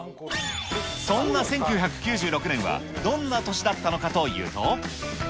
そんな１９９６年はどんな年だったのかというと。